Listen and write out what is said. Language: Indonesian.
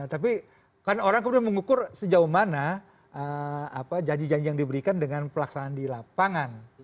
tapi kan orang kemudian mengukur sejauh mana janji janji yang diberikan dengan pelaksanaan di lapangan